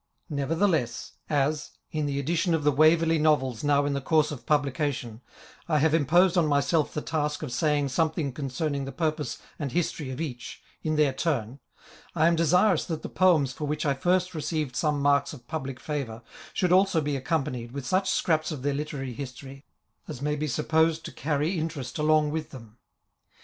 Nevertheless, as, in the edition of the Waverley Novels now in course of publication, I have imposed on myself the task of saying something con cerning the purpose and history of each, in their turn, I am desirous that the Poems for which I first received some marks of public favour, should also be accompanied with such scraps of their literary history as may be sup posed to carry interest along with them.